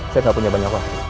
saya gak punya banyak apa